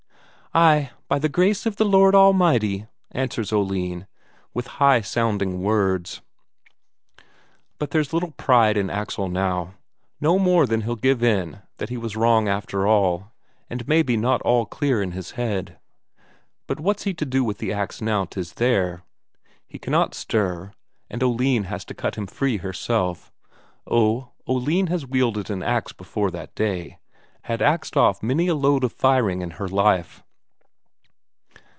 "Ay, by the grace of the Lord Almighty," answers Oline, with high sounding words. But there's little pride in Axel now, no more than he'll give in that he was wrong after all, and maybe not all clear in his head. And what's he to do with the ax now 'tis there? He cannot stir, and Oline has to cut him free herself. Oh, Oline has wielded an ax before that day; had axed off many a load of firing in her life.